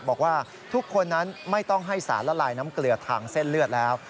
บอกว่าทุกคนนั้นไม่ต้องให้สารละลายน้ำเกลือทางเส้นเลือดแล้ว